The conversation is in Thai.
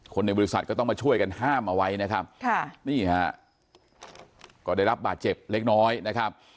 คนในบริษัทก็ต้องมาช่วยกันห้ามเอาไว้นะครับค่ะนี่ฮะก็ได้รับบาดเจ็บเล็กน้อยนะครับ